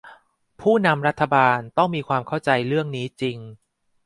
ผู้นำรัฐบาลต้องมีความเข้าใจเรื่องนี้จริง